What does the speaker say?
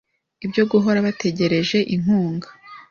ibyo guhora bategereje inkunga.